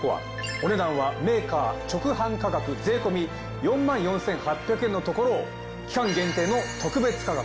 お値段はメーカー直販価格税込４４，８００円のところを期間限定の特別価格